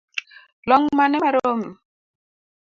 Long’ mane maromi?